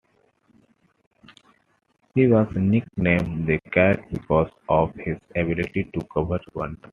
He was nicknamed "The Cat" because of his ability to cover bunts.